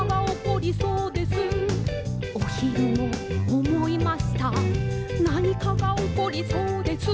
「おひるもおもいましたなにかがおこりそうです」